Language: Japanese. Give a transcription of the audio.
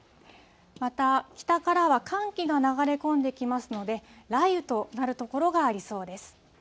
また北からは寒気が流れ込んできますので、雷雨となる所がありそうです。